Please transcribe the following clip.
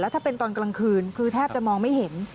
ถ้าเป็นตอนกลางคืนคือแทบจะมองไม่เห็น